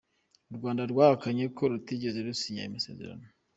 U Rwanda rwahakanye ko rutigeze rusinya ayo masezerano.